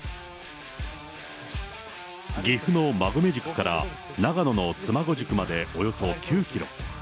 岐阜の馬籠宿から長野の妻籠宿までおよそ９キロ。